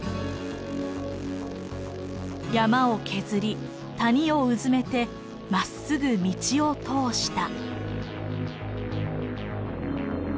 「山を削り谷をうずめてまっすぐ道を通した」。